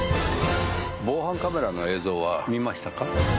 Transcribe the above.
防犯カメラの映像は見ましたか？